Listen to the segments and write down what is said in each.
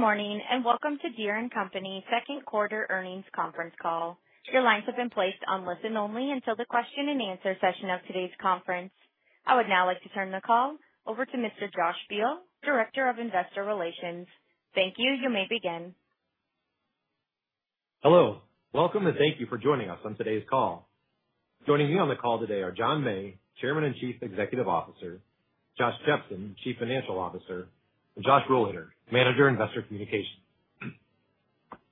Good morning and welcome to Deere & Company's second quarter earnings conference call. Your lines have been placed on listen only until the question and answer session of today's conference. I would now like to turn the call over to Mr. Josh Beale, Director of Investor Relations. Thank you. You may begin. Hello. Welcome and thank you for joining us on today's call. Joining me on the call today are John May, Chairman and Chief Executive Officer; Josh Jepsen, Chief Financial Officer; and Josh Rohleder, Manager of Investor Communications.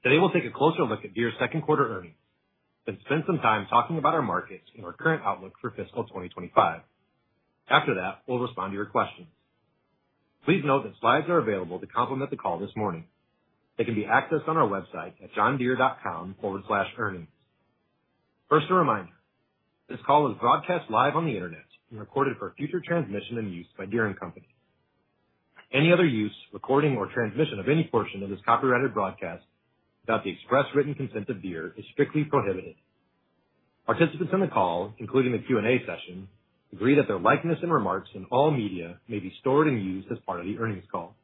Today we'll take a closer look at Deere's second quarter earnings and spend some time talking about our markets and our current outlook for fiscal 2025. After that, we'll respond to your questions. Please note that slides are available to complement the call this morning. They can be accessed on our website at johndeere.com/earnings. First, a reminder: this call is broadcast live on the internet and recorded for future transmission and use by Deere & Company. Any other use, recording, or transmission of any portion of this copyrighted broadcast without the express written consent of Deere is strictly prohibited. Participants in the call, including the Q&A session, agree that their likeness and remarks in all media may be stored and used as part of the earnings call.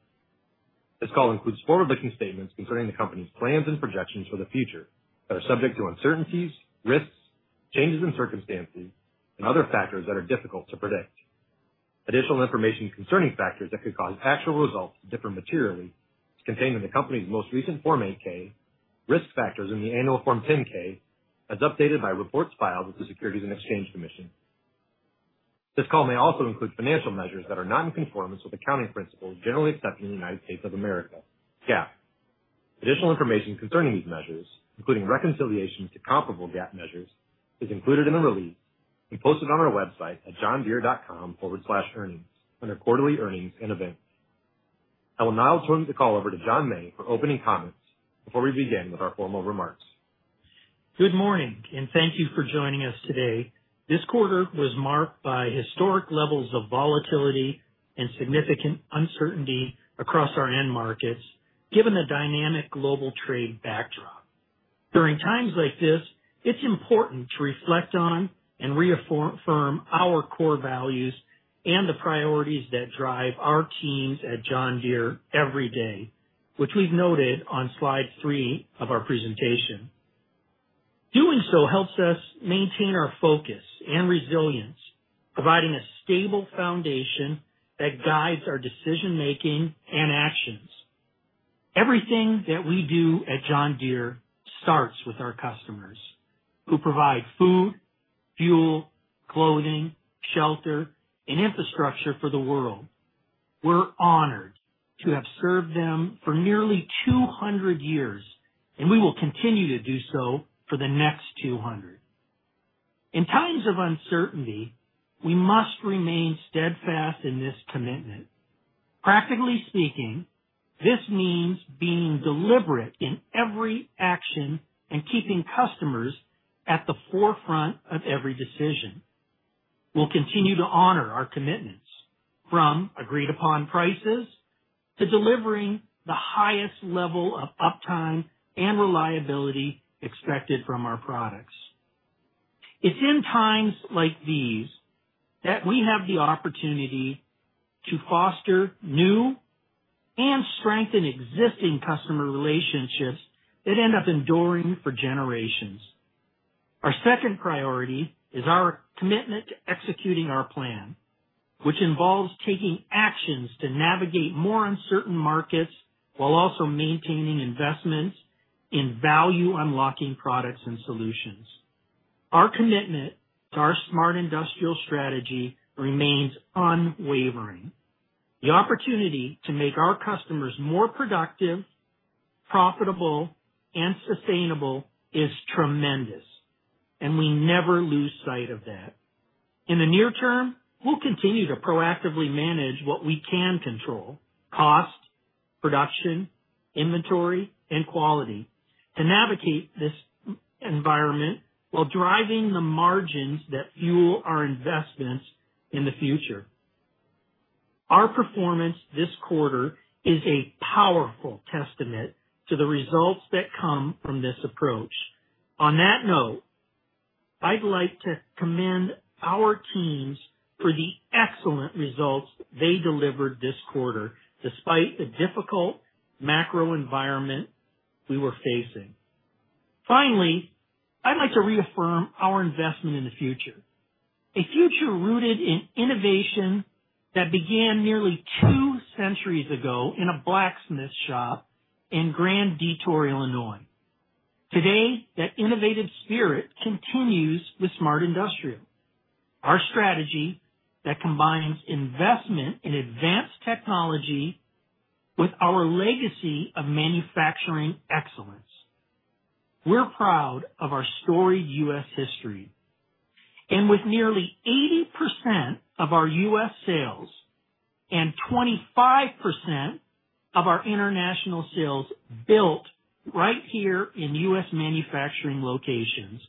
This call includes forward-looking statements concerning the company's plans and projections for the future that are subject to uncertainties, risks, changes in circumstances, and other factors that are difficult to predict. Additional information concerning factors that could cause actual results to differ materially is contained in the company's most recent Form 8-K, Risk Factors in the annual Form 10-K, as updated by reports filed with the Securities and Exchange Commission. This call may also include financial measures that are not in conformance with accounting principles generally accepted in the United States, GAAP. Additional information concerning these measures, including reconciliation to comparable GAAP measures, is included in the release and posted on our website at johndeere.com/earnings under Quarterly Earnings and Events. I will now turn the call over to John May for opening comments before we begin with our formal remarks. Good morning and thank you for joining us today. This quarter was marked by historic levels of volatility and significant uncertainty across our end markets, given the dynamic global trade backdrop. During times like this, it's important to reflect on and reaffirm our core values and the priorities that drive our teams at John Deere every day, which we've noted on slide three of our presentation. Doing so helps us maintain our focus and resilience, providing a stable foundation that guides our decision-making and actions. Everything that we do at John Deere starts with our customers who provide food, fuel, clothing, shelter, and infrastructure for the world. We're honored to have served them for nearly 200 years, and we will continue to do so for the next 200. In times of uncertainty, we must remain steadfast in this commitment. Practically speaking, this means being deliberate in every action and keeping customers at the forefront of every decision. We will continue to honor our commitments, from agreed-upon prices to delivering the highest level of uptime and reliability expected from our products. It is in times like these that we have the opportunity to foster new and strengthen existing customer relationships that end up enduring for generations. Our second priority is our commitment to executing our plan, which involves taking actions to navigate more uncertain markets while also maintaining investments in value-unlocking products and solutions. Our commitment to our smart industrial strategy remains unwavering. The opportunity to make our customers more productive, profitable, and sustainable is tremendous, and we never lose sight of that. In the near term, we'll continue to proactively manage what we can control: cost, production, inventory, and quality to navigate this environment while driving the margins that fuel our investments in the future. Our performance this quarter is a powerful testament to the results that come from this approach. On that note, I'd like to commend our teams for the excellent results they delivered this quarter, despite the difficult macro environment we were facing. Finally, I'd like to reaffirm our investment in the future, a future rooted in innovation that began nearly two centuries ago in a blacksmith shop in Grand Detour, Illinois. Today, that innovative spirit continues with smart industrial, our strategy that combines investment in advanced technology with our legacy of manufacturing excellence. We're proud of our storied U.S. history. With nearly 80% of our U.S. sales. Sales and 25% of our international sales built right here in U.S. manufacturing locations,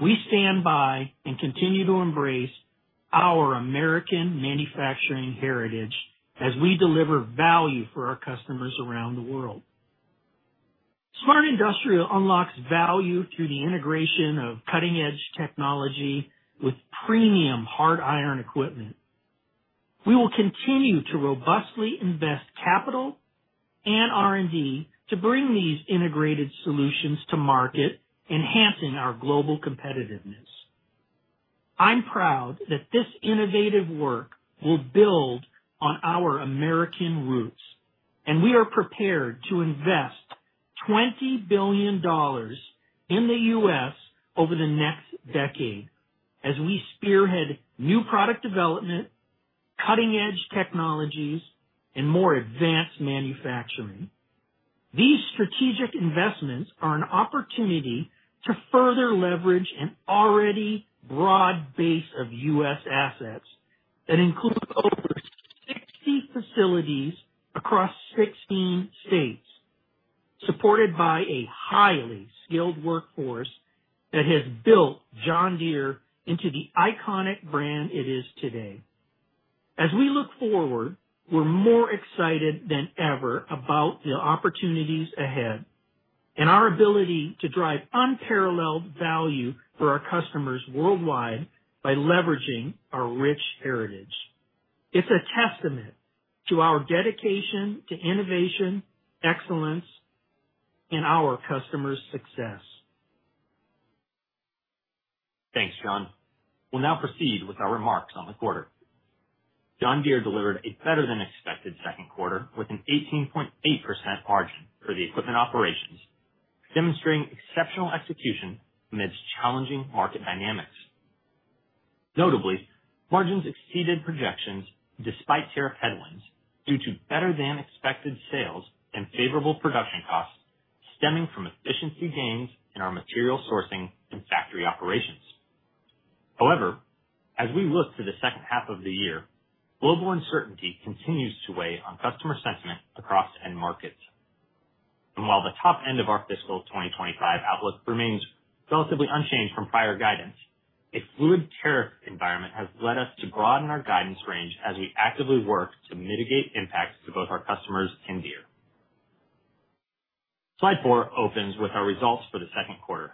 we stand by and continue to embrace our American manufacturing heritage as we deliver value for our customers around the world. Smart industrial unlocks value through the integration of cutting-edge technology with premium hard iron equipment. We will continue to robustly invest capital and R&D to bring these integrated solutions to market, enhancing our global competitiveness. I'm proud that this innovative work will build on our American roots, and we are prepared to invest $20 billion in the U.S. over the next decade as we spearhead new product development, cutting-edge technologies, and more advanced manufacturing. These strategic investments are an opportunity to further leverage an already broad base of U.S. assets assets that include over 60 facilities across 16 states, supported by a highly skilled workforce that has built John Deere into the iconic brand it is today. As we look forward, we're more excited than ever about the opportunities ahead and our ability to drive unparalleled value for our customers worldwide by leveraging our rich heritage. It's a testament to our dedication to innovation, excellence, and our customers' success. Thanks, John. We'll now proceed with our remarks on the quarter. John Deere delivered a better-than-expected second quarter with an 18.8% margin for the equipment operations, demonstrating exceptional execution amidst challenging market dynamics. Notably, margins exceeded projections despite tariff headwinds due to better-than-expected sales and favorable production costs stemming from efficiency gains in our material sourcing and factory operations. However, as we look to the second half of the year, global uncertainty continues to weigh on customer sentiment across end markets. While the top end of our fiscal 2025 outlook remains relatively unchanged from prior guidance, a fluid tariff environment has led us to broaden our guidance range as we actively work to mitigate impacts to both our customers and Deere. Slide four opens with our results for the second quarter.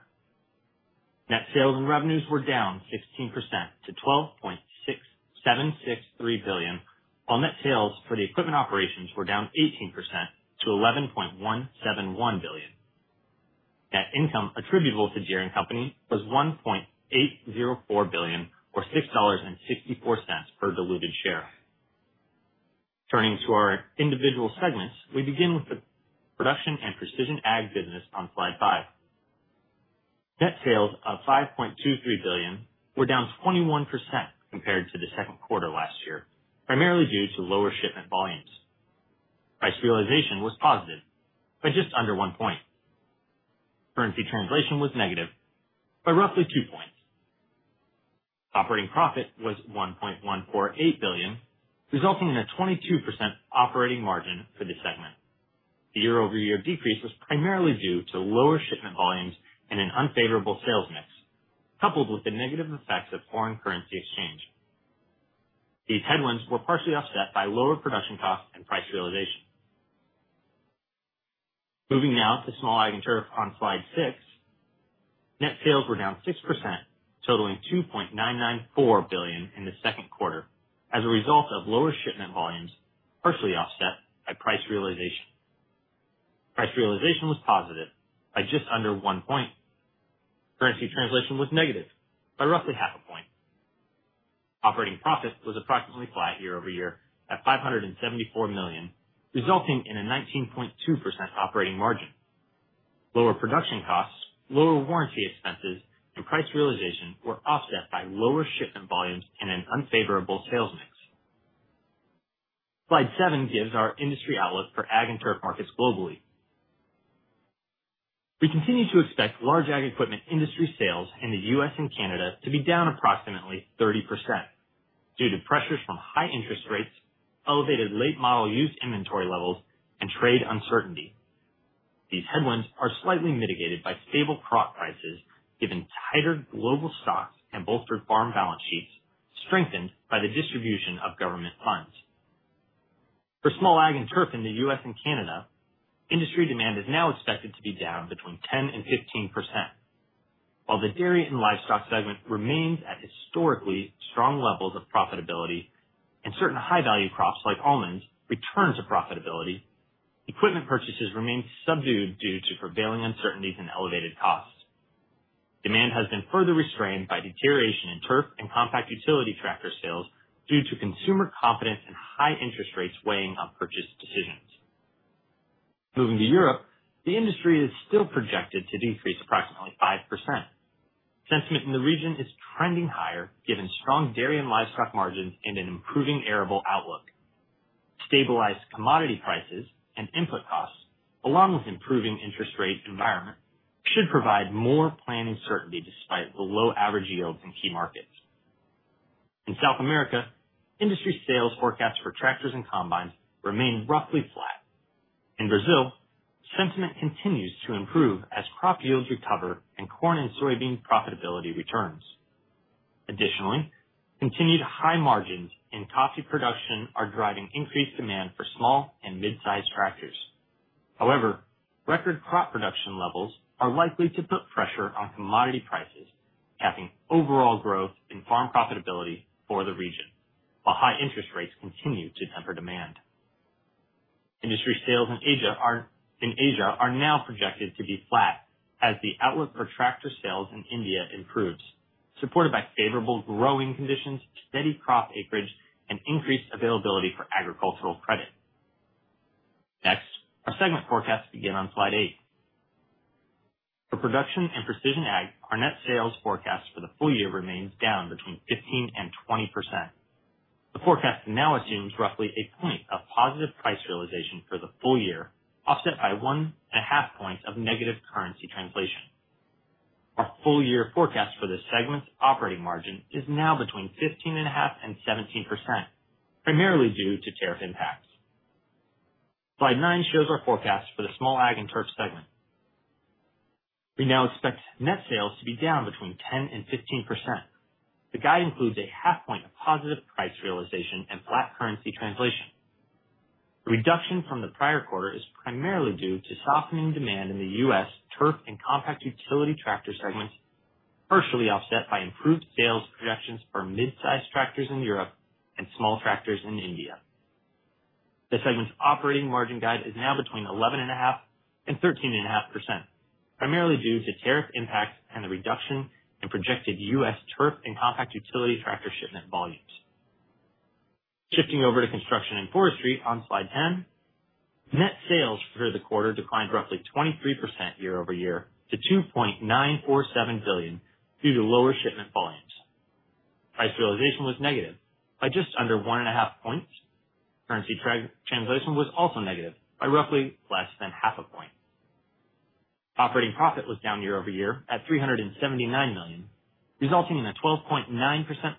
Net sales and revenues were down 16% to $12.763 billion, while net sales for the equipment operations were down 18% to $11.171 billion. Net income attributable to Deere & Company was $1.804 billion, or $6.64 per diluted share. Turning to our individual segments, we begin with the production and precision ag business on slide five. Net sales of $5.23 billion were down 21% compared to the second quarter last year, primarily due to lower shipment volumes. Price realization was positive by just under one point. Currency translation was negative by roughly two points. Operating profit was $1.148 billion, resulting in a 22% operating margin for the segment. The year-over-year decrease was primarily due to lower shipment volumes and an unfavorable sales mix, coupled with the negative effects of foreign currency exchange. These headwinds were partially offset by lower production costs and price realization. Moving now to small ag and turf on slide six, net sales were down 6%, totaling $2.994 billion in the second quarter as a result of lower shipment volumes, partially offset by price realization. Price realization was positive by just under one point. Currency translation was negative by roughly half a point. Operating profit was approximately flat year-over-year at $574 million, resulting in a 19.2% operating margin. Lower production costs, lower warranty expenses, and price realization were offset by lower shipment volumes and an unfavorable sales mix. Slide seven gives our industry outlook for ag and turf markets globally. We continue to expect large ag equipment industry sales in the U.S. and Canada to be down approximately 30% due to pressures from high interest rates, elevated late-model used inventory levels, and trade uncertainty. These headwinds are slightly mitigated by stable crop prices given tighter global stocks and bolstered farm balance sheets strengthened by the distribution of government funds. For small ag and turf in the U.S. and Canada, industry demand is now expected to be down between 10% and 15%. While the dairy and livestock segment remains at historically strong levels of profitability and certain high-value crops like almonds return to profitability, equipment purchases remain subdued due to prevailing uncertainties and elevated costs. Demand has been further restrained by deterioration in turf and compact utility tractor sales due to consumer confidence and high interest rates weighing on purchase decisions. Moving to Europe, the industry is still projected to decrease approximately 5%. Sentiment in the region is trending higher given strong dairy and livestock margins and an improving arable outlook. Stabilized commodity prices and input costs, along with improving interest rate environment, should provide more planning certainty despite below-average yields in key markets. In South America, industry sales forecasts for tractors and combines remain roughly flat. In Brazil, sentiment continues to improve as crop yields recover and corn and soybean profitability returns. Additionally, continued high margins in coffee production are driving increased demand for small and mid-sized tractors. However, record crop production levels are likely to put pressure on commodity prices, capping overall growth in farm profitability for the region while high interest rates continue to temper demand. Industry sales in Asia are now projected to be flat as the outlook for tractor sales in India improves, supported by favorable growing conditions, steady crop acreage, and increased availability for agricultural credit. Next, our segment forecasts begin on slide eight. For production and precision ag, our net sales forecast for the full year remains down between 15% and 20%. The forecast now assumes roughly a point of positive price realization for the full year, offset by one and a half points of negative currency translation. Our full-year forecast for the segment's operating margin is now between 15.5% and 17%, primarily due to tariff impacts. Slide nine shows our forecast for the small ag and turf segment. We now expect net sales to be down between 10% and 15%. The guide includes a half-point of positive price realization and flat currency translation. The reduction from the prior quarter is primarily due to softening demand in the U.S. turf and compact utility tractor segments, partially offset by improved sales projections for mid-sized tractors in Europe and small tractors in India. The segment's operating margin guide is now between 11.5% and 13.5%, primarily due to tariff impacts and the reduction in projected U.S. turf and compact utility tractor shipment volumes. Shifting over to construction and forestry on slide 10, net sales for the quarter declined roughly 23% year-over-year to $2.947 billion due to lower shipment volumes. Price realization was negative by just under one and a half points. Currency translation was also negative by roughly less than half a point. Operating profit was down year-over-year at $379 million, resulting in a 12.9%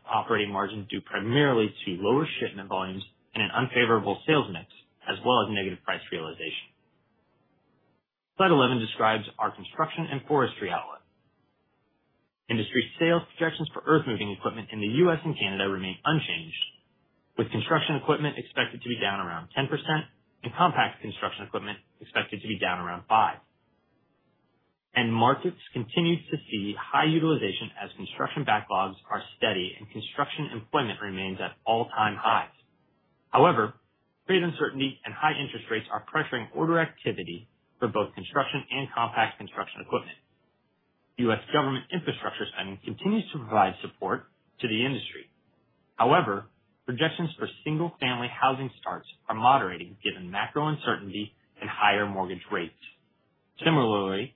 operating margin due primarily to lower shipment volumes and an unfavorable sales mix, as well as negative price realization. Slide 11 describes our construction and forestry outlook. Industry sales projections for earth-moving equipment in the U.S. and Canada remain unchanged, with construction equipment expected to be down around 10% and compact construction equipment expected to be down around 5%. Markets continue to see high utilization as construction backlogs are steady and construction employment remains at all-time highs. However, trade uncertainty and high interest rates are pressuring order activity for both construction and compact construction equipment. U.S. government infrastructure spending continues to provide support to the industry. However, projections for single-family housing starts are moderating given macro uncertainty and higher mortgage rates. Similarly,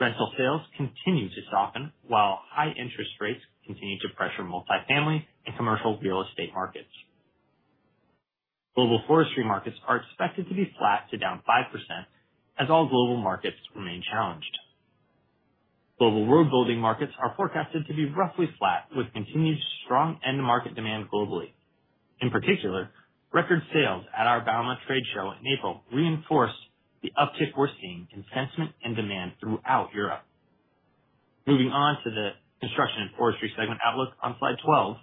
rental sales continue to soften while high interest rates continue to pressure multifamily and commercial real estate markets. Global forestry markets are expected to be flat to down 5% as all global markets remain challenged. Global road building markets are forecasted to be roughly flat with continued strong end-to-market demand globally. In particular, record sales at our bauma trade show in April reinforced the uptick we are seeing in sentiment and demand throughout Europe. Moving on to the construction and forestry segment outlook on slide 12,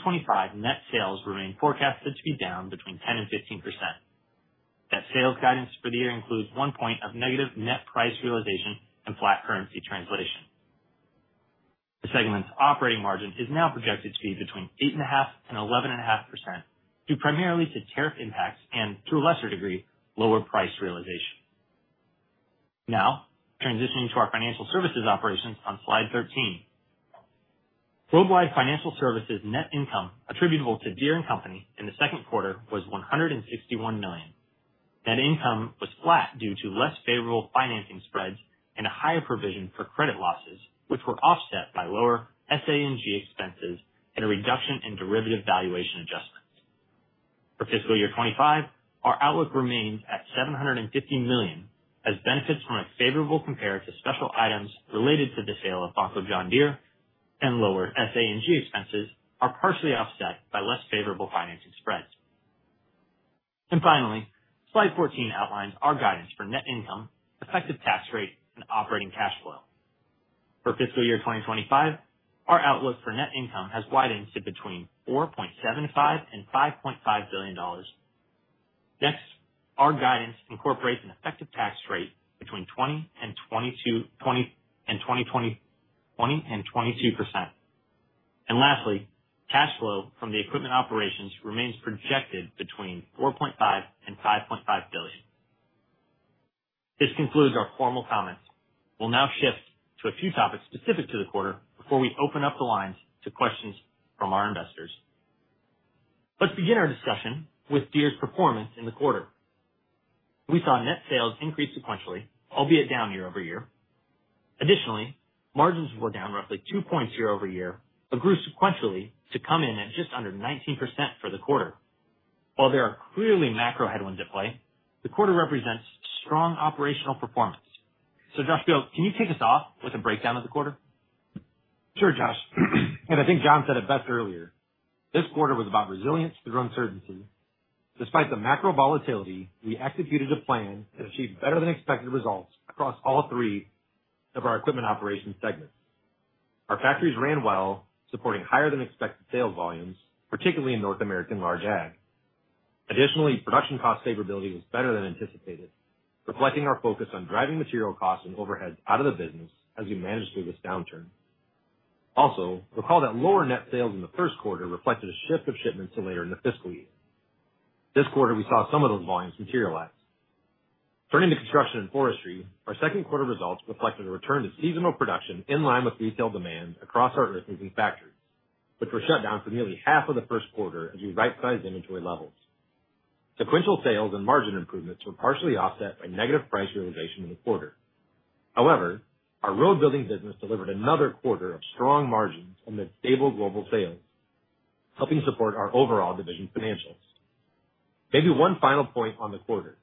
2025 net sales remain forecasted to be down between 10% and 15%. That sales guidance for the year includes one point of negative net price realization and flat currency translation. The segment's operating margin is now projected to be between 8.5% and 11.5% due primarily to tariff impacts and, to a lesser degree, lower price realization. Now, transitioning to our financial services operations on slide 13. Worldwide financial services net income attributable to Deere & Company in the second quarter was $161 million. Net income was flat due to less favorable financing spreads and a higher provision for credit losses, which were offset by lower SA&G expenses and a reduction in derivative valuation adjustments. For fiscal year 2025, our outlook remains at $750 million as benefits from a favorable comparative special items related to the sale of Bronco John Deere and lower SA&G expenses are partially offset by less favorable financing spreads. Finally, slide 14 outlines our guidance for net income, effective tax rate, and operating cash flow. For fiscal year 2025, our outlook for net income has widened to between $4.75 billion and $5.5 billion. Next, our guidance incorporates an effective tax rate between 20% and 22%. Lastly, cash flow from the equipment operations remains projected between $4.5 billion and $5.5 billion. This concludes our formal comments. We'll now shift to a few topics specific to the quarter before we open up the lines to questions from our investors. Let's begin our discussion with Deere's performance in the quarter. We saw net sales increase sequentially, albeit down year-over-year. Additionally, margins were down roughly two points year-over-year, a growth sequentially to come in at just under 19% for the quarter. While there are clearly macro headwinds at play, the quarter represents strong operational performance. Josh Biele, can you kick us off with a breakdown of the quarter? Sure, Josh. I think John said it best earlier. This quarter was about resilience through uncertainty. Despite the macro volatility, we executed a plan and achieved better-than-expected results across all three of our equipment operations segments. Our factories ran well, supporting higher-than-expected sales volumes, particularly in North American large ag. Additionally, production cost favorability was better than anticipated, reflecting our focus on driving material costs and overheads out of the business as we managed through this downturn. Also, recall that lower net sales in the first quarter reflected a shift of shipments to later in the fiscal year. This quarter, we saw some of those volumes materialize. Turning to construction and forestry, our second quarter results reflected a return to seasonal production in line with retail demand across our earth-moving factories, which were shut down for nearly half of the first quarter as we right-sized inventory levels. Sequential sales and margin improvements were partially offset by negative price realization in the quarter. However, our road building business delivered another quarter of strong margins amid stable global sales, helping support our overall division financials. Maybe one final point on the quarter.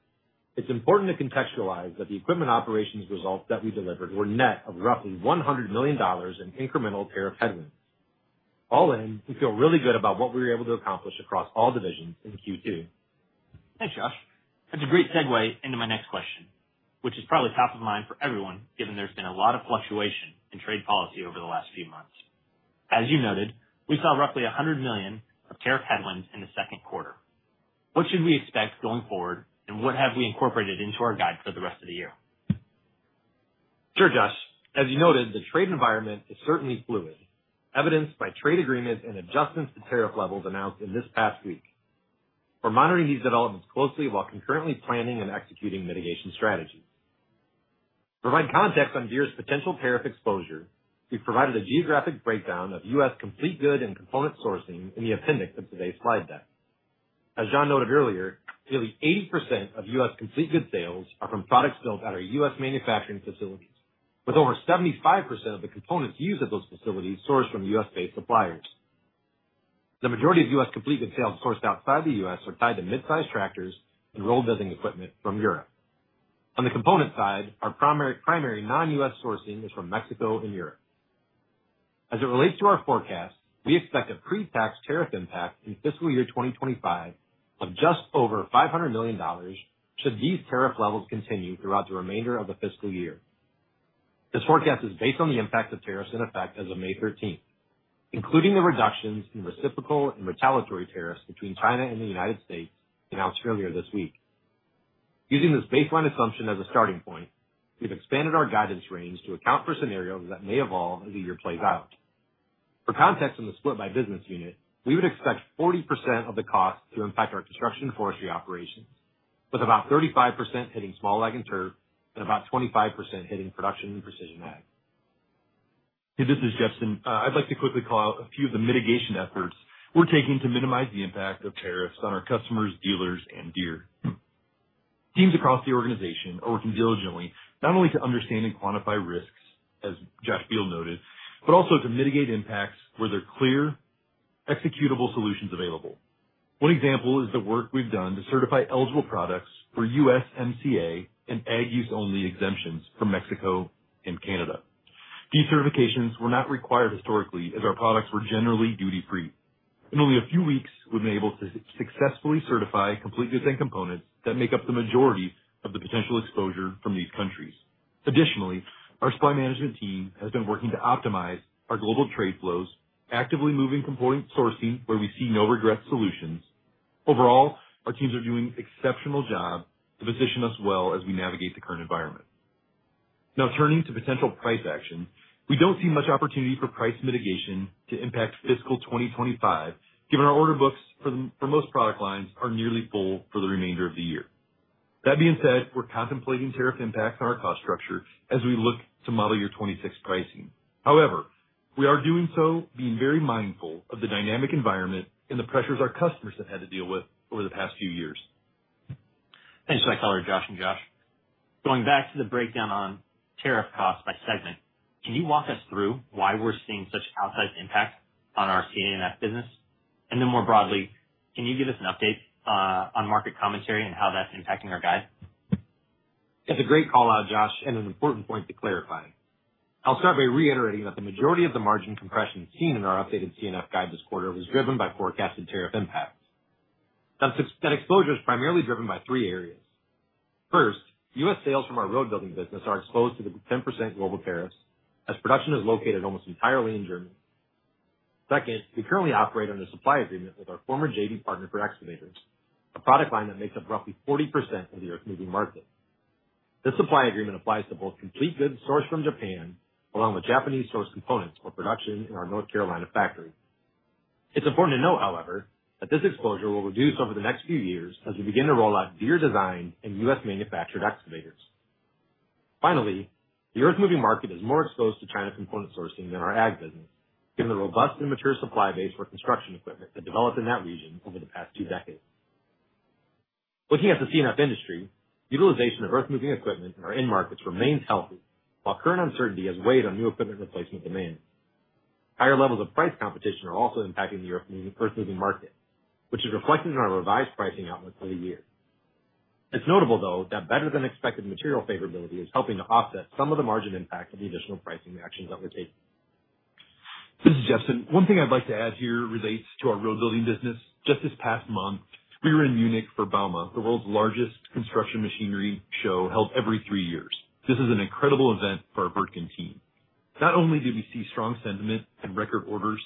It's important to contextualize that the equipment operations results that we delivered were net of roughly $100 million in incremental tariff headwinds. All in, we feel really good about what we were able to accomplish across all divisions in Q2. Thanks, Josh. That's a great segue into my next question, which is probably top of mind for everyone given there's been a lot of fluctuation in trade policy over the last few months. As you noted, we saw roughly $100 million of tariff headwinds in the second quarter. What should we expect going forward, and what have we incorporated into our guide for the rest of the year? Sure, Josh. As you noted, the trade environment is certainly fluid, evidenced by trade agreements and adjustments to tariff levels announced in this past week. We're monitoring these developments closely while concurrently planning and executing mitigation strategies. To provide context on Deere's potential tariff exposure, we've provided a geographic breakdown of U.S. complete good and component sourcing in the appendix of today's slide deck. As John noted earlier, nearly 80% of U.S. complete good sales are from products built at our U.S. manufacturing facilities, with over 75% of the components used at those facilities sourced from U.S.-based suppliers. The majority of U.S. complete good sales sourced outside the U.S. are tied to mid-sized tractors and road building equipment from Europe. On the component side, our primary non-U.S. sourcing is from Mexico and Europe. As it relates to our forecast, we expect a pre-tax tariff impact in fiscal year 2025 of just over $500 million should these tariff levels continue throughout the remainder of the fiscal year. This forecast is based on the impact of tariffs in effect as of May 13, including the reductions in reciprocal and retaliatory tariffs between China and the U.S. announced earlier this week. Using this baseline assumption as a starting point, we've expanded our guidance range to account for scenarios that may evolve as the year plays out. For context on the split by business unit, we would expect 40% of the costs to impact our construction and forestry operations, with about 35% hitting small ag and turf and about 25% hitting production and precision ag. Hey, this is Jepsen. I'd like to quickly call out a few of the mitigation efforts we're taking to minimize the impact of tariffs on our customers, dealers, and Deere. Teams across the organization are working diligently not only to understand and quantify risks, as Josh Biele noted, but also to mitigate impacts where there are clear, executable solutions available. One example is the work we've done to certify eligible products for U.S. MCA and ag-use-only exemptions for Mexico and Canada. These certifications were not required historically as our products were generally duty-free. In only a few weeks, we've been able to successfully certify complete goods and components that make up the majority of the potential exposure from these countries. Additionally, our supply management team has been working to optimize our global trade flows, actively moving component sourcing where we see no regret solutions. Overall, our teams are doing an exceptional job to position us well as we navigate the current environment. Now, turning to potential price action, we do not see much opportunity for price mitigation to impact fiscal 2025, given our order books for most product lines are nearly full for the remainder of the year. That being said, we are contemplating tariff impacts on our cost structure as we look to model year 2026 pricing. However, we are doing so being very mindful of the dynamic environment and the pressures our customers have had to deal with over the past few years. Thanks for that callout, Josh and Josh. Going back to the breakdown on tariff costs by segment, can you walk us through why we're seeing such outsized impact on our CNF business? More broadly, can you give us an update on market commentary and how that's impacting our guide? That's a great callout, Josh, and an important point to clarify. I'll start by reiterating that the majority of the margin compression seen in our updated CNF guide this quarter was driven by forecasted tariff impacts. That exposure is primarily driven by three areas. First, U.S. sales from our road building business are exposed to the 10% global tariffs as production is located almost entirely in Germany. Second, we currently operate under supply agreement with our former JD partner for excavators, a product line that makes up roughly 40% of the earth-moving market. This supply agreement applies to both complete goods sourced from Japan along with Japanese-sourced components for production in our North Carolina factory. It's important to note, however, that this exposure will reduce over the next few years as we begin to roll out Deere-designed and U.S.-manufactured excavators. Finally, the earth-moving market is more exposed to China component sourcing than our ag business, given the robust and mature supply base for construction equipment that developed in that region over the past two decades. Looking at the CNF industry, utilization of earth-moving equipment in our end markets remains healthy, while current uncertainty has weighed on new equipment replacement demand. Higher levels of price competition are also impacting the earth-moving market, which is reflected in our revised pricing outlook for the year. It is notable, though, that better-than-expected material favorability is helping to offset some of the margin impact of the additional pricing actions that we are taking. This is Jepsen. One thing I'd like to add here relates to our road building business. Just this past month, we were in Munich for bauma, the world's largest construction machinery show held every three years. This is an incredible event for our Wirtgen team. Not only did we see strong sentiment and record orders,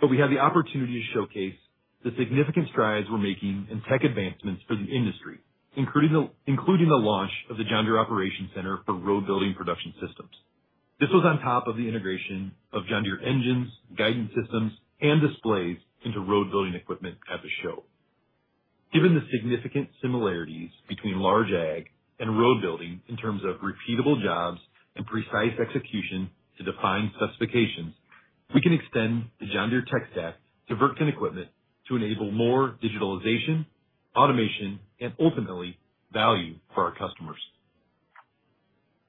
but we had the opportunity to showcase the significant strides we're making in tech advancements for the industry, including the launch of the John Deere Operations Center for Road Building Production Systems. This was on top of the integration of John Deere engines, guidance systems, and displays into road building equipment at the show. Given the significant similarities between large ag and road building in terms of repeatable jobs and precise execution to defined specifications, we can extend the John Deere tech stack to Wirtgen equipment to enable more digitalization, automation, and ultimately value for our customers.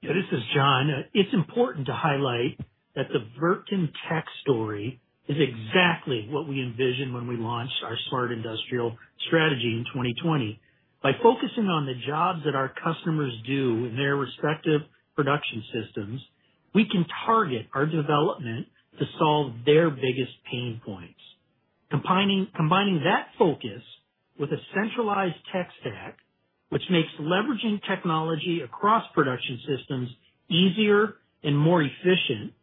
Yeah, this is John. It's important to highlight that the Bertkin tech story is exactly what we envisioned when we launched our smart industrial strategy in 2020. By focusing on the jobs that our customers do in their respective production systems, we can target our development to solve their biggest pain points. Combining that focus with a centralized tech stack, which makes leveraging technology across production systems easier and more efficient,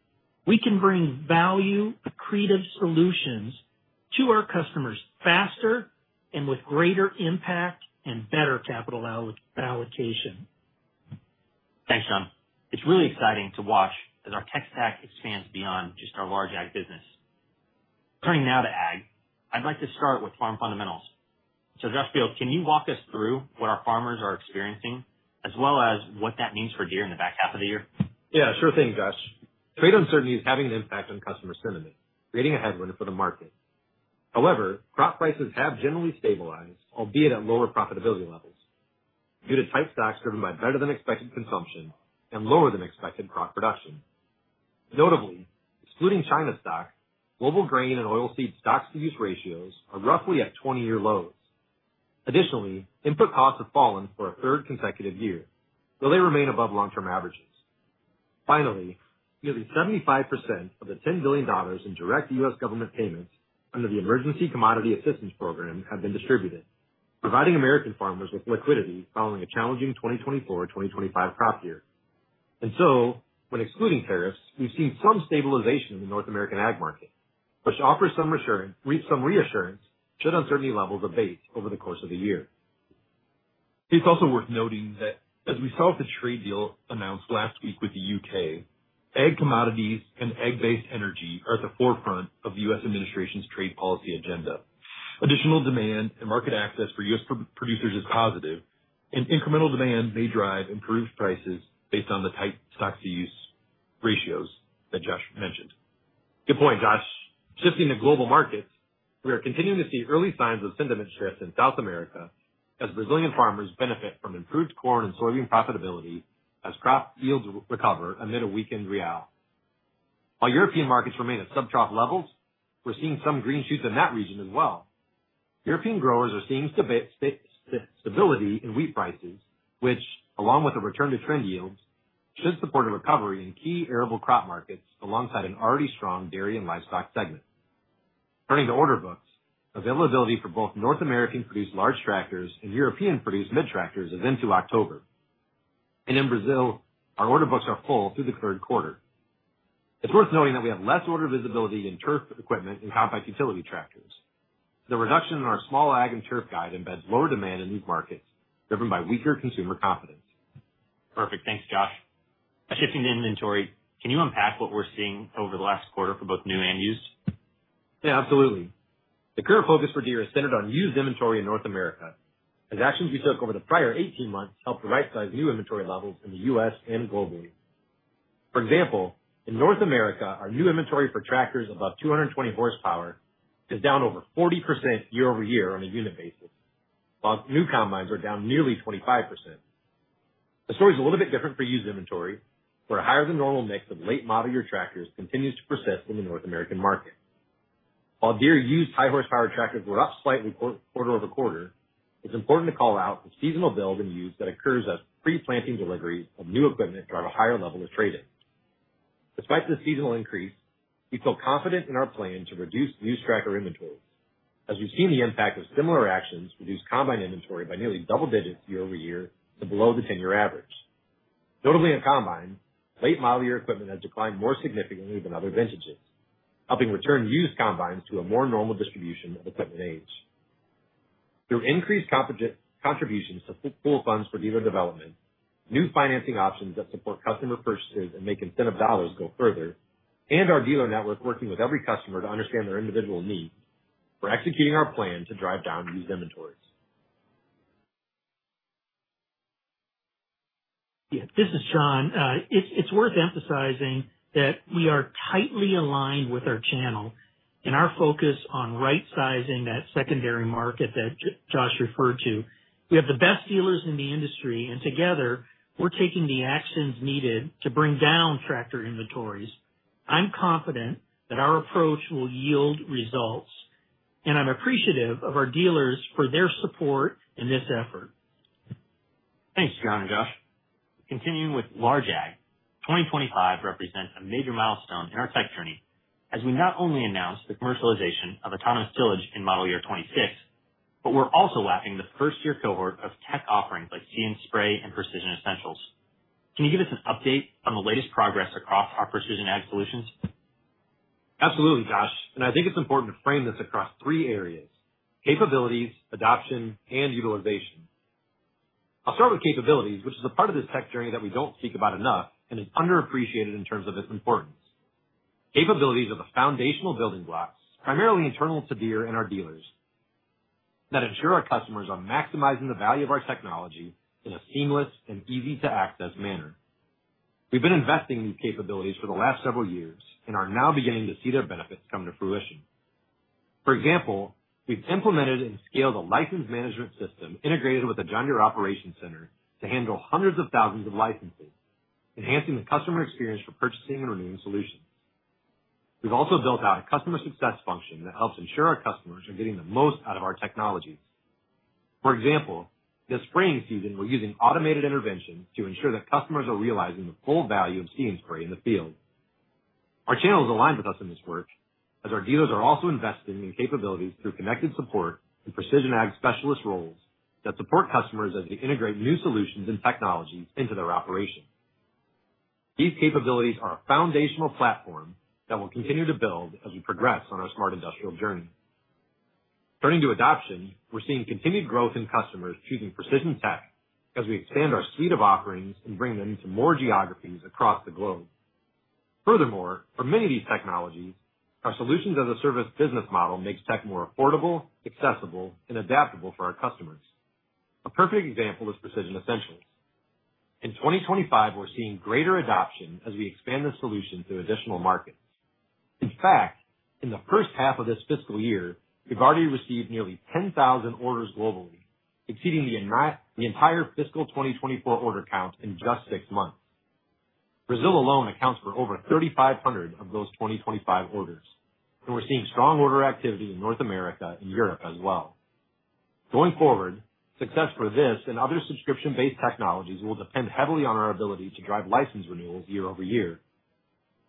we can bring value, accretive solutions to our customers faster and with greater impact and better capital allocation. Thanks, John. It's really exciting to watch as our tech stack expands beyond just our large ag business. Turning now to ag, I'd like to start with farm fundamentals. Josh Biele, can you walk us through what our farmers are experiencing, as well as what that means for Deere in the back half of the year? Yeah, sure thing, Josh. Trade uncertainty is having an impact on customer sentiment, creating a headwind for the market. However, crop prices have generally stabilized, albeit at lower profitability levels, due to tight stocks driven by better-than-expected consumption and lower-than-expected crop production. Notably, excluding China stock, global grain and oilseed stocks-to-use ratios are roughly at 20-year lows. Additionally, input costs have fallen for a third consecutive year, though they remain above long-term averages. Finally, nearly 75% of the $10 billion in direct U.S. government payments under the Emergency Commodity Assistance Program have been distributed, providing American farmers with liquidity following a challenging 2024-2025 crop year. When excluding tariffs, we have seen some stabilization in the North American ag market, which offers some reassurance should uncertainty levels abate over the course of the year. It's also worth noting that as we saw with the trade deal announced last week with the U.K., ag commodities and ag-based energy are at the forefront of the U.S. administration's trade policy agenda. Additional demand and market access for U.S. producers is positive, and incremental demand may drive improved prices based on the tight stocks-to-use ratios that Josh mentioned. Good point, Josh. Shifting to global markets, we are continuing to see early signs of sentiment shifts in South America as Brazilian farmers benefit from improved corn and soybean profitability as crop yields recover amid a weakened real. While European markets remain at subtract levels, we're seeing some green shoots in that region as well. European growers are seeing stability in wheat prices, which, along with the return-to-trend yields, should support a recovery in key arable crop markets alongside an already strong dairy and livestock segment. Turning to order books, availability for both North American-produced large tractors and European-produced mid-sized tractors is into October. In Brazil, our order books are full through the third quarter. It's worth noting that we have less order visibility in turf equipment and compact utility tractors. The reduction in our small ag and turf guide embeds lower demand in these markets, driven by weaker consumer confidence. Perfect. Thanks, Josh. Now, shifting to inventory, can you unpack what we're seeing over the last quarter for both new and used? Yeah, absolutely. The current focus for Deere is centered on used inventory in North America, as actions we took over the prior 18 months helped to right-size new inventory levels in the U.S. and globally. For example, in North America, our new inventory for tractors above 220 horsepower is down over 40% year-over-year on a unit basis, while new combines are down nearly 25%. The story is a little bit different for used inventory, where a higher-than-normal mix of late-model year tractors continues to persist in the North American market. While Deere used high-horsepower tractors were up slightly quarter over quarter, it's important to call out the seasonal build and use that occurs as pre-planting deliveries of new equipment drive a higher level of trading. Despite this seasonal increase, we feel confident in our plan to reduce used tractor inventories, as we've seen the impact of similar actions reduce combine inventory by nearly double digits year-over-year to below the 10-year average. Notably, in combine, late-model year equipment has declined more significantly than other vintages, helping return used combines to a more normal distribution of equipment age. Through increased contributions to pool funds for dealer development, new financing options that support customer purchases and make incentive dollars go further, and our dealer network working with every customer to understand their individual needs, we're executing our plan to drive down used inventories. Yeah, this is John. It's worth emphasizing that we are tightly aligned with our channel and our focus on right-sizing that secondary market that Josh referred to. We have the best dealers in the industry, and together, we're taking the actions needed to bring down tractor inventories. I'm confident that our approach will yield results, and I'm appreciative of our dealers for their support in this effort. Thanks, John and Josh. Continuing with large ag, 2025 represents a major milestone in our tech journey as we not only announced the commercialization of autonomous tillage in model year 2026, but we're also wrapping the first-year cohort of tech offerings like CN Spray and Precision Essentials. Can you give us an update on the latest progress across our precision ag solutions? Absolutely, Josh. I think it's important to frame this across three areas: capabilities, adoption, and utilization. I'll start with capabilities, which is a part of this tech journey that we don't speak about enough and is underappreciated in terms of its importance. Capabilities are the foundational building blocks, primarily internal to Deere and our dealers, that ensure our customers are maximizing the value of our technology in a seamless and easy-to-access manner. We've been investing in these capabilities for the last several years and are now beginning to see their benefits come to fruition. For example, we've implemented and scaled a license management system integrated with a John Deere Operations Center to handle hundreds of thousands of licenses, enhancing the customer experience for purchasing and renewing solutions. We've also built out a customer success function that helps ensure our customers are getting the most out of our technologies. For example, this spraying season, we're using automated interventions to ensure that customers are realizing the full value of CN Spray in the field. Our channel is aligned with us in this work, as our dealers are also investing in capabilities through connected support and precision ag specialist roles that support customers as they integrate new solutions and technologies into their operations. These capabilities are a foundational platform that we'll continue to build as we progress on our smart industrial journey. Turning to adoption, we're seeing continued growth in customers choosing precision tech as we expand our suite of offerings and bring them to more geographies across the globe. Furthermore, for many of these technologies, our solutions-as-a-service business model makes tech more affordable, accessible, and adaptable for our customers. A perfect example is Precision Essentials. In 2025, we're seeing greater adoption as we expand the solution to additional markets. In fact, in the first half of this fiscal year, we've already received nearly 10,000 orders globally, exceeding the entire fiscal 2024 order count in just six months. Brazil alone accounts for over 3,500 of those 2025 orders, and we're seeing strong order activity in North America and Europe as well. Going forward, success for this and other subscription-based technologies will depend heavily on our ability to drive license renewals year-over-year.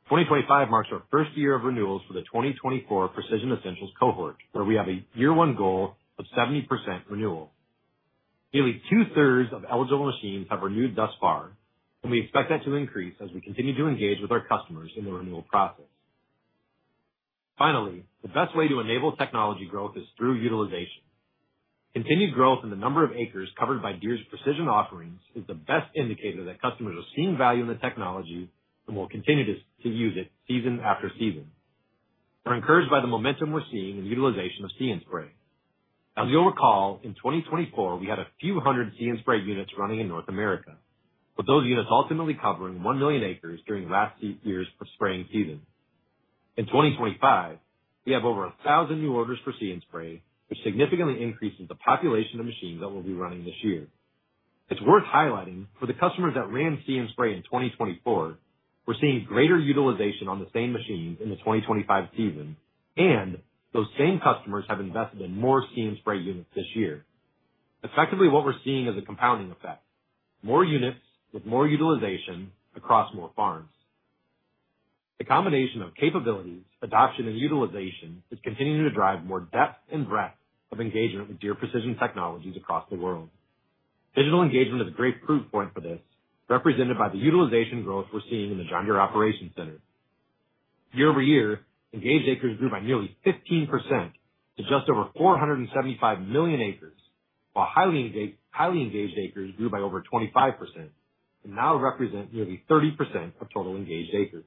2025 marks our first year of renewals for the 2024 Precision Essentials cohort, where we have a year-one goal of 70% renewal. Nearly two-thirds of eligible machines have renewed thus far, and we expect that to increase as we continue to engage with our customers in the renewal process. Finally, the best way to enable technology growth is through utilization. Continued growth in the number of acres covered by Deere's precision offerings is the best indicator that customers are seeing value in the technology and will continue to use it season after season. We're encouraged by the momentum we're seeing in utilization of CN Spray. As you'll recall, in 2024, we had a few hundred CN Spray units running in North America, with those units ultimately covering 1 million acres during last year's spraying season. In 2025, we have over 1,000 new orders for CN Spray, which significantly increases the population of machines that we'll be running this year. It's worth highlighting for the customers that ran CN Spray in 2024, we're seeing greater utilization on the same machines in the 2025 season, and those same customers have invested in more CN Spray units this year. Effectively, what we're seeing is a compounding effect: more units with more utilization across more farms. The combination of capabilities, adoption, and utilization is continuing to drive more depth and breadth of engagement with Deere Precision technologies across the world. Digital engagement is a great proof point for this, represented by the utilization growth we're seeing in the John Deere Operations Center. Year-over-year, engaged acres grew by nearly 15% to just over 475 million acres, while highly engaged acres grew by over 25% and now represent nearly 30% of total engaged acres.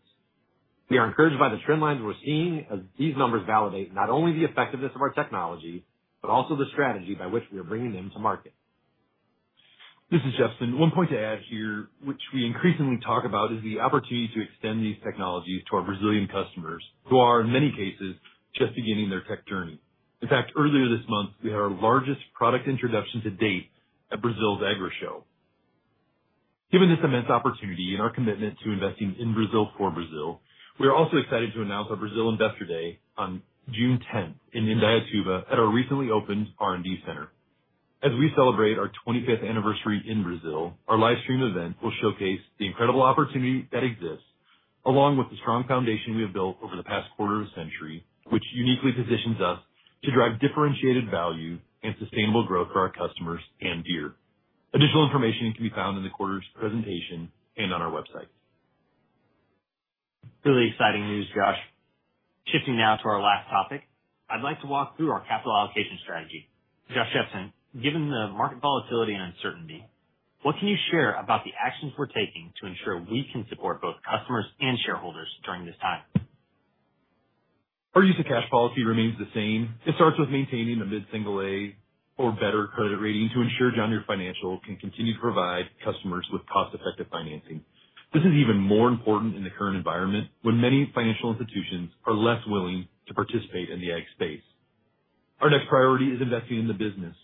We are encouraged by the trend lines we're seeing as these numbers validate not only the effectiveness of our technology but also the strategy by which we are bringing them to market. This is Jepsen. One point to add here, which we increasingly talk about, is the opportunity to extend these technologies to our Brazilian customers who are, in many cases, just beginning their tech journey. In fact, earlier this month, we had our largest product introduction to date at Brazil's Agra show. Given this immense opportunity and our commitment to investing in Brazil for Brazil, we are also excited to announce our Brazil Investor Day on June 10th in Indaiatuba at our recently opened R&D Center. As we celebrate our 25th anniversary in Brazil, our livestream event will showcase the incredible opportunity that exists, along with the strong foundation we have built over the past quarter of a century, which uniquely positions us to drive differentiated value and sustainable growth for our customers and Deere. Additional information can be found in the quarter's presentation and on our website. Really exciting news, Josh. Shifting now to our last topic, I'd like to walk through our capital allocation strategy. Josh Jepsen, given the market volatility and uncertainty, what can you share about the actions we're taking to ensure we can support both customers and shareholders during this time? Our use of cash policy remains the same. It starts with maintaining a mid-single-A or better credit rating to ensure John Deere Financial can continue to provide customers with cost-effective financing. This is even more important in the current environment when many financial institutions are less willing to participate in the ag space. Our next priority is investing in the business.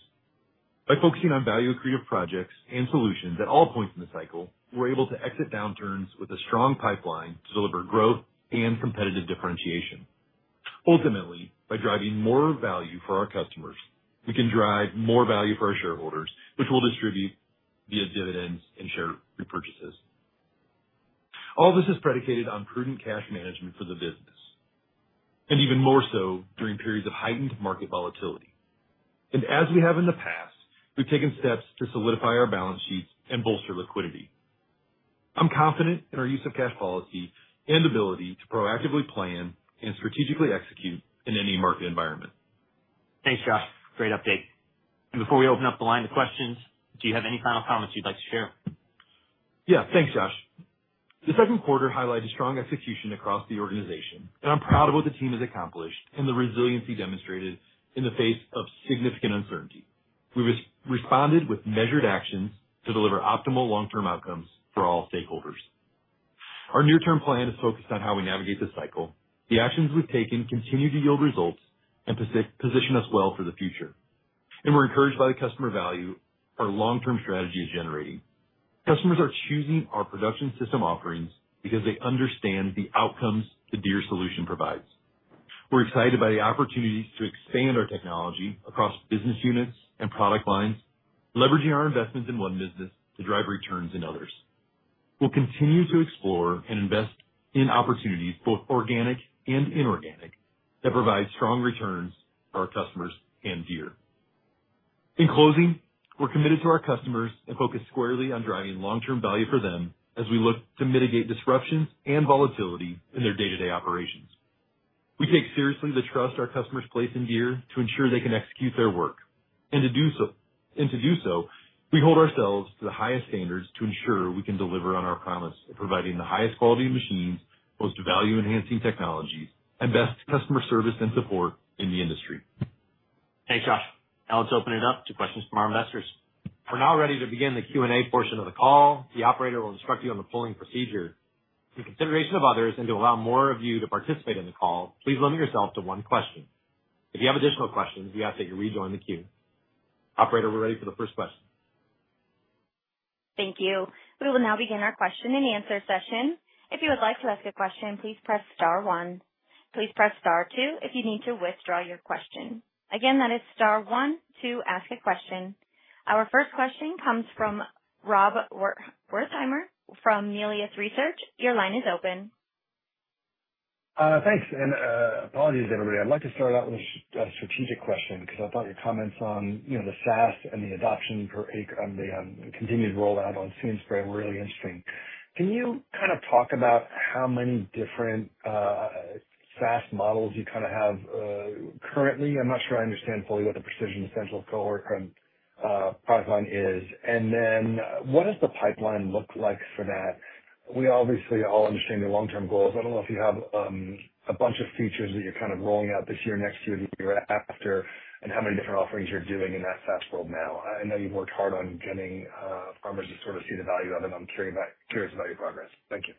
By focusing on value-accretive projects and solutions at all points in the cycle, we're able to exit downturns with a strong pipeline to deliver growth and competitive differentiation. Ultimately, by driving more value for our customers, we can drive more value for our shareholders, which we'll distribute via dividends and share repurchases. All this is predicated on prudent cash management for the business, and even more so during periods of heightened market volatility. As we have in the past, we have taken steps to solidify our balance sheets and bolster liquidity. I'm confident in our use of cash policy and ability to proactively plan and strategically execute in any market environment. Thanks, Josh. Great update. Before we open up the line to questions, do you have any final comments you'd like to share? Yeah, thanks, Josh. The second quarter highlighted strong execution across the organization, and I'm proud of what the team has accomplished and the resiliency demonstrated in the face of significant uncertainty. We responded with measured actions to deliver optimal long-term outcomes for all stakeholders. Our near-term plan is focused on how we navigate the cycle. The actions we've taken continue to yield results and position us well for the future. We're encouraged by the customer value our long-term strategy is generating. Customers are choosing our production system offerings because they understand the outcomes the Deere solution provides. We're excited by the opportunities to expand our technology across business units and product lines, leveraging our investments in one business to drive returns in others. We'll continue to explore and invest in opportunities, both organic and inorganic, that provide strong returns for our customers and Deere. In closing, we're committed to our customers and focus squarely on driving long-term value for them as we look to mitigate disruptions and volatility in their day-to-day operations. We take seriously the trust our customers place in Deere to ensure they can execute their work. To do so, we hold ourselves to the highest standards to ensure we can deliver on our promise of providing the highest quality machines, most value-enhancing technologies, and best customer service and support in the industry. Thanks, Josh. Now let's open it up to questions from our investors. We're now ready to begin the Q&A portion of the call. The operator will instruct you on the polling procedure. In consideration of others and to allow more of you to participate in the call, please limit yourself to one question. If you have additional questions, we ask that you rejoin the queue. Operator, we're ready for the first question. Thank you. We will now begin our question-and-answer session. If you would like to ask a question, please press star one. Please press star two if you need to withdraw your question. Again, that is star one to ask a question. Our first question comes from Rob Wertheimer from Melius Research. Your line is open. Thanks. Apologies to everybody. I'd like to start out with a strategic question because I thought your comments on the SaaS and the adoption per acre and the continued rollout on CN Spray were really interesting. Can you kind of talk about how many different SaaS models you kind of have currently? I'm not sure I understand fully what the Precision Essentials cohort and product line is. What does the pipeline look like for that? We obviously all understand your long-term goals. I don't know if you have a bunch of features that you're kind of rolling out this year, next year, the year after, and how many different offerings you're doing in that SaaS world now. I know you've worked hard on getting farmers to sort of see the value of it, and I'm curious about your progress. Thank you.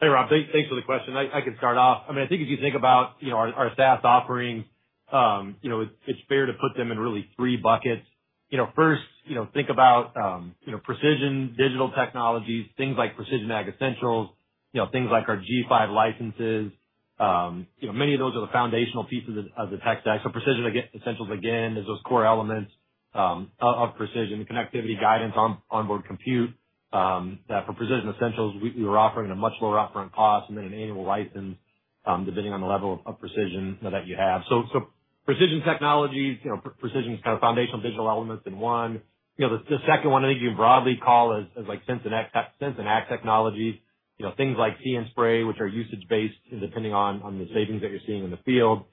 Hey, Rob. Thanks for the question. I can start off. I mean, I think as you think about our SaaS offerings, it's fair to put them in really three buckets. First, think about precision digital technologies, things like Precision Essentials, things like our G5 licenses. Many of those are the foundational pieces of the tech stack. So Precision Essentials, again, is those core elements of precision, connectivity, guidance, onboard compute. For Precision Essentials, we were offering a much lower upfront cost and then an annual license depending on the level of precision that you have. So precision technologies, precision is kind of foundational digital elements in one. The second one, I think you can broadly call as Sense and Ag Technologies, things like CN Spray, which are usage-based depending on the savings that you're seeing in the field,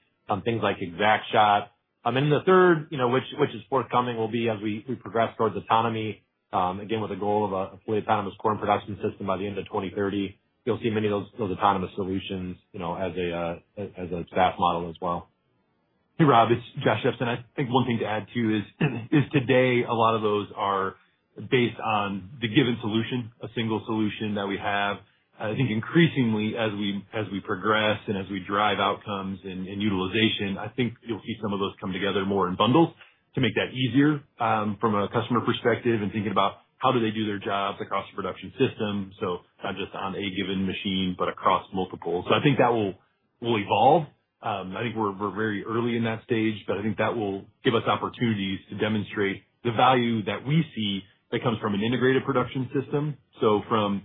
things like ExactShot. The third, which is forthcoming, will be as we progress towards autonomy, again, with a goal of a fully autonomous corn production system by the end of 2030. You'll see many of those autonomous solutions as a SaaS model as well. Hey, Rob. It's Josh Jepsen. I think one thing to add too is today, a lot of those are based on the given solution, a single solution that we have. I think increasingly, as we progress and as we drive outcomes and utilization, I think you'll see some of those come together more in bundles to make that easier from a customer perspective and thinking about how do they do their jobs across the production system, not just on a given machine, but across multiple. I think that will evolve. I think we're very early in that stage, but I think that will give us opportunities to demonstrate the value that we see that comes from an integrated production system. From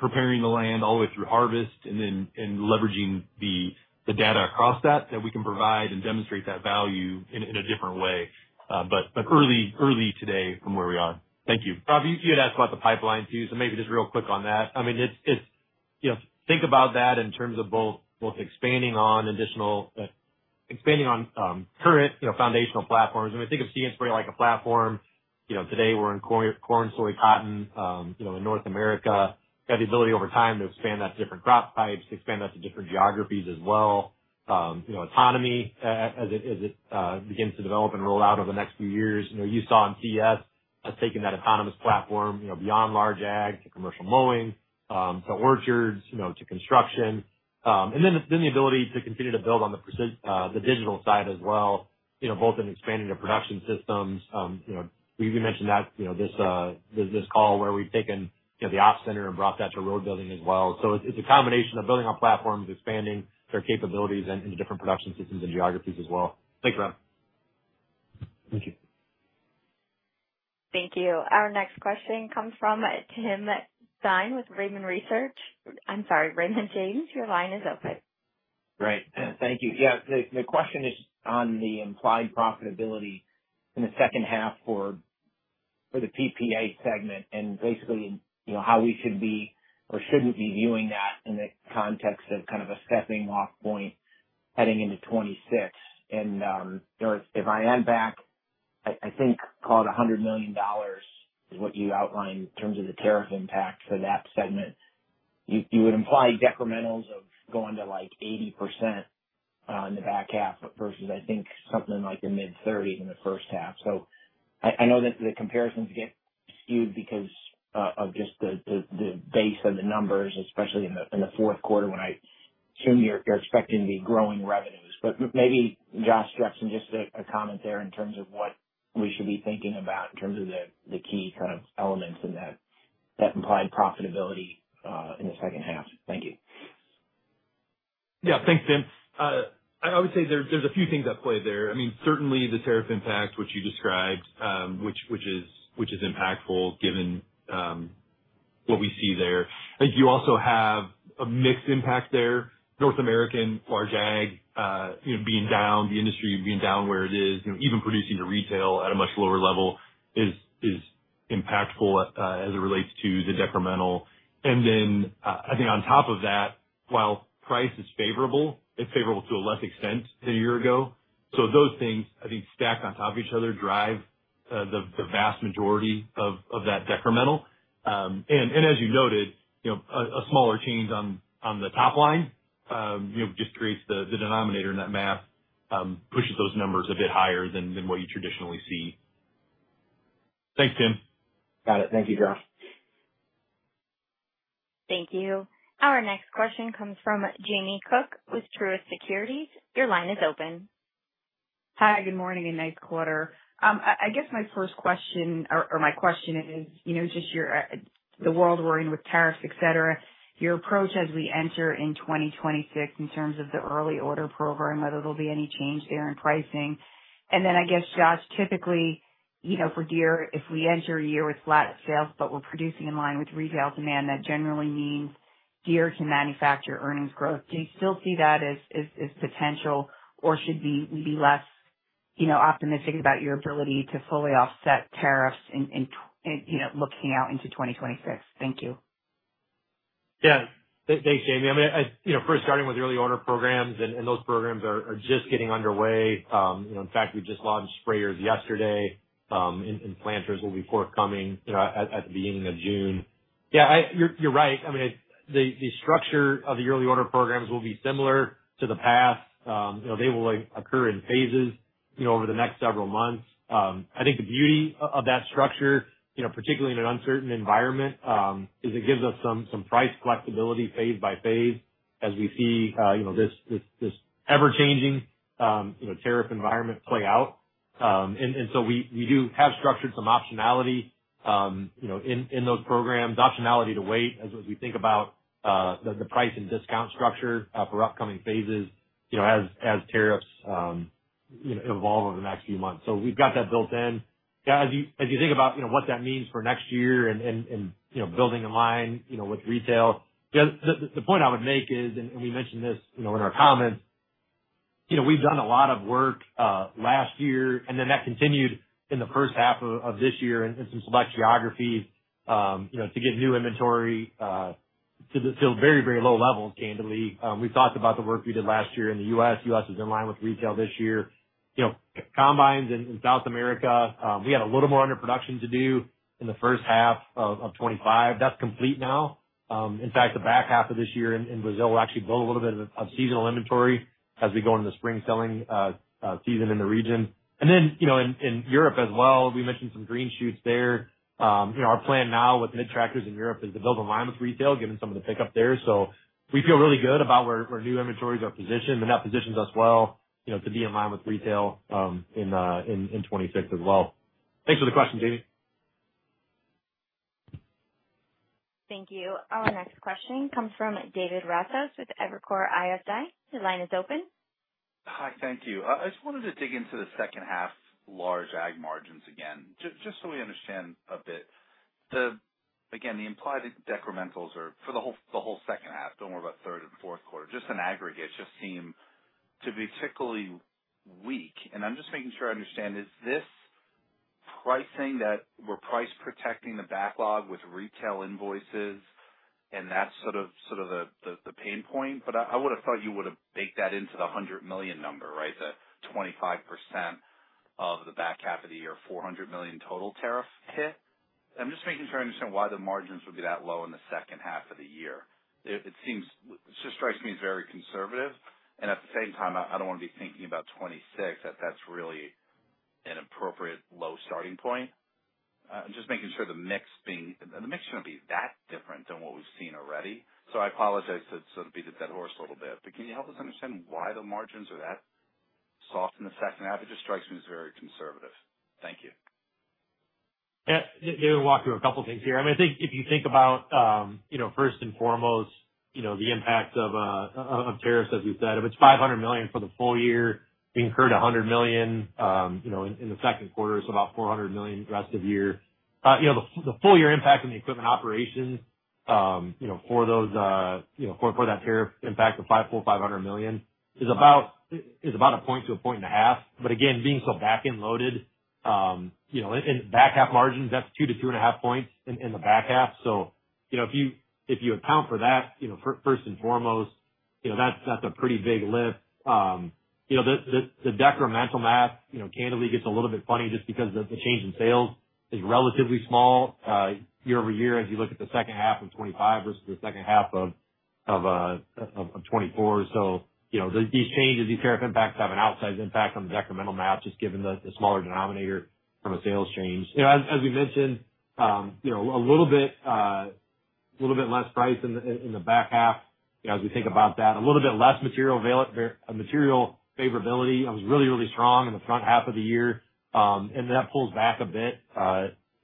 preparing the land all the way through harvest and then leveraging the data across that, we can provide and demonstrate that value in a different way. Early today from where we are. Thank you. Rob, you had asked about the pipeline too, so maybe just real quick on that. I mean, think about that in terms of both expanding on current foundational platforms. I mean, think of CN Spray like a platform. Today, we're in corn, soy, cotton in North America. You have the ability over time to expand that to different crop types, expand that to different geographies as well. Autonomy as it begins to develop and roll out over the next few years. You saw in CS us taking that autonomous platform beyond large ag to commercial mowing, to orchards, to construction. Then the ability to continue to build on the digital side as well, both in expanding the production systems. We mentioned this call where we've taken the Ops Center and brought that to road building as well. It is a combination of building our platforms, expanding their capabilities into different production systems and geographies as well. Thanks, Rob. Thank you. Thank you. Our next question comes from Tim Zinn with Raymond James. I'm sorry, Raymond James, your line is open. Great. Thank you. Yeah, the question is on the implied profitability in the second half for the PPA segment and basically how we should be or should not be viewing that in the context of kind of a stepping-off point heading into 2026. And if I add back, I think call it $100 million is what you outlined in terms of the tariff impact for that segment. You would imply decrementals of going to like 80% in the back half versus, I think, something like the mid-30s in the first half. I know that the comparisons get skewed because of just the base of the numbers, especially in the fourth quarter when I assume you are expecting the growing revenues. Maybe, Josh Jepsen, just a comment there in terms of what we should be thinking about in terms of the key kind of elements in that implied profitability in the second half. Thank you. Yeah, thanks, Tim. I would say there's a few things at play there. I mean, certainly the tariff impact, which you described, which is impactful given what we see there. I think you also have a mixed impact there. North American, large ag being down, the industry being down where it is, even producing to retail at a much lower level is impactful as it relates to the decremental. I think on top of that, while price is favorable, it's favorable to a lesser extent than a year ago. Those things, I think, stack on top of each other, drive the vast majority of that decremental. As you noted, a smaller change on the top line just creates the denominator in that math, pushes those numbers a bit higher than what you traditionally see. Thanks, Tim. Got it. Thank you, Josh. Thank you. Our next question comes from Jamie Cook with Truist Securities. Your line is open. Hi, good morning and nice quarter. I guess my first question or my question is just the world we're in with tariffs, etc., your approach as we enter in 2026 in terms of the early order program, whether there'll be any change there in pricing. And then I guess, Josh, typically for Deere, if we enter a year with flat sales, but we're producing in line with retail demand, that generally means Deere can manufacture earnings growth. Do you still see that as potential, or should we be less optimistic about your ability to fully offset tariffs in looking out into 2026? Thank you. Yeah. Thanks, Jamie. I mean, first, starting with early order programs, and those programs are just getting underway. In fact, we just launched sprayers yesterday, and planters will be forthcoming at the beginning of June. Yeah, you're right. I mean, the structure of the early order programs will be similar to the past. They will occur in phases over the next several months. I think the beauty of that structure, particularly in an uncertain environment, is it gives us some price flexibility phase by phase as we see this ever-changing tariff environment play out. We do have structured some optionality in those programs, optionality to wait as we think about the price and discount structure for upcoming phases as tariffs evolve over the next few months. We have got that built in. As you think about what that means for next year and building a line with retail, the point I would make is, and we mentioned this in our comments, we've done a lot of work last year, and then that continued in the first half of this year in some select geographies to get new inventory to very, very low levels, candidly. We've talked about the work we did last year in the U.S. U.S. is in line with retail this year. Combines in South America, we had a little more under production to do in the first half of 2025. That's complete now. In fact, the back half of this year in Brazil, we'll actually build a little bit of seasonal inventory as we go into the spring selling season in the region. In Europe as well, we mentioned some green shoots there. Our plan now with mid-sized tractors in Europe is to build in line with retail, given some of the pickup there. We feel really good about where new inventories are positioned, and that positions us well to be in line with retail in 2026 as well. Thanks for the question, Jamie. Thank you. Our next question comes from David Raso with Evercore ISI. Your line is open. Hi, thank you. I just wanted to dig into the second half large ag margins again, just so we understand a bit. Again, the implied decrementals are for the whole second half, do not worry about third and fourth quarter. Just an aggregate just seem to be particularly weak. I am just making sure I understand. Is this pricing that we are price protecting the backlog with retail invoices, and that is sort of the pain point? I would have thought you would have baked that into the $100 million number, right? The 25% of the back half of the year, $400 million total tariff hit. I am just making sure I understand why the margins would be that low in the second half of the year. It just strikes me as very conservative. At the same time, I don't want to be thinking about '26, that that's really an appropriate low starting point. I'm just making sure the mix shouldn't be that different than what we've seen already. I apologize to sort of beat the dead horse a little bit, but can you help us understand why the margins are that soft in the second half? It just strikes me as very conservative. Thank you. Yeah. David, walk through a couple of things here. I mean, I think if you think about first and foremost, the impact of tariffs, as we've said, if it's $500 million for the full year, we incurred $100 million. In the second quarter, it's about $400 million rest of year. The full year impact on the equipment operations for that tariff impact of $500 million is about a point to a point and a half. Again, being so back-end loaded in the back half margins, that's 2 to 2 and a half points in the back half. If you account for that, first and foremost, that's a pretty big lift. The decremental math, candidly, gets a little bit funny just because the change in sales is relatively small year-over-year as you look at the second half of 2025 versus the second half of 2024. These changes, these tariff impacts have an outsized impact on the decremental math just given the smaller denominator from a sales change. As we mentioned, a little bit less price in the back half as we think about that, a little bit less material favorability was really, really strong in the front half of the year. That pulls back a bit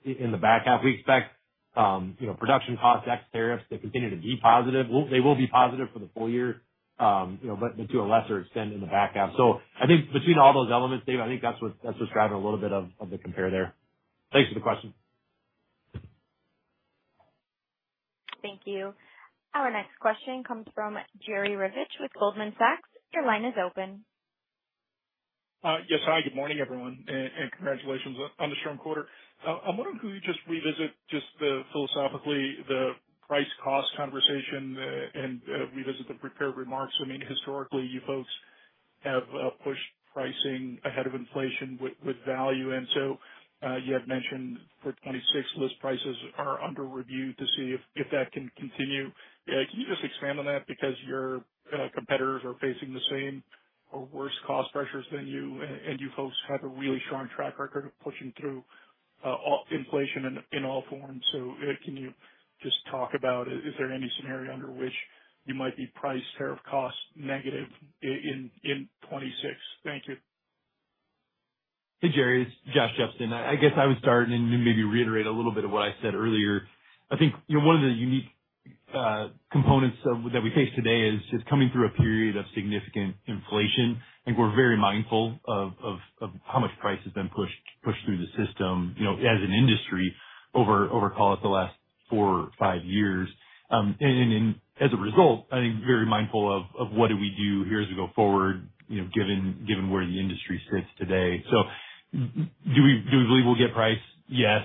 in the back half. We expect production costs ex tariffs to continue to be positive. They will be positive for the full year, but to a lesser extent in the back half. I think between all those elements, David, I think that's what's driving a little bit of the compare there. Thanks for the question. Thank you. Our next question comes from Jerry Revich with Goldman Sachs. Your line is open. Yes, hi. Good morning, everyone, and congratulations on the strong quarter. I'm wondering, could we just revisit just philosophically the price-cost conversation and revisit the prepared remarks? I mean, historically, you folks have pushed pricing ahead of inflation with value. You had mentioned for 2026, list prices are under review to see if that can continue. Can you just expand on that? Because your competitors are facing the same or worse cost pressures than you, and you folks have a really strong track record of pushing through inflation in all forms. Can you just talk about is there any scenario under which you might be price tariff cost negative in 2026? Thank you. Hey, Jerry. It's Josh Jepsen. I guess I would start and maybe reiterate a little bit of what I said earlier. I think one of the unique components that we face today is just coming through a period of significant inflation. I think we're very mindful of how much price has been pushed through the system as an industry over, call it, the last four or five years. As a result, I think very mindful of what do we do here as we go forward given where the industry sits today. Do we believe we'll get price? Yes.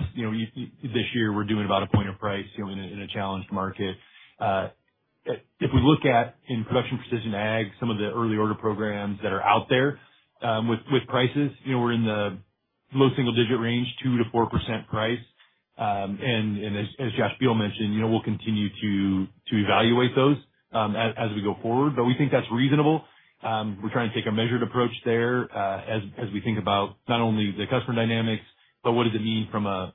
This year, we're doing about a point of price in a challenged market. If we look at in production precision ag, some of the early order programs that are out there with prices, we're in the low single-digit range, 2-4% price. As Josh Beal mentioned, we'll continue to evaluate those as we go forward. We think that's reasonable. We're trying to take a measured approach there as we think about not only the customer dynamics, but what it means from a